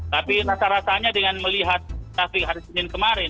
tapi rasa rasanya dengan melihat tahap hari senin kemarin ini sudah mencapai lima puluh persen